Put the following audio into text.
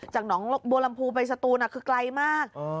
หนองบัวลำพูไปสตูนคือไกลมาก